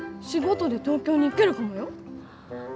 仕事で東京に行けるかもよ？